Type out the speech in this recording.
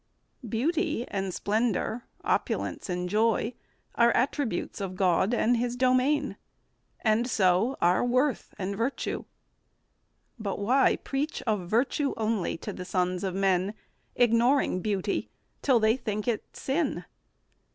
Beauty and splendour, opulence and joy, Are attributes of God and His domain, And so are worth and virtue. But why preach Of virtue only to the sons of men, Ignoring beauty, till they think it sin?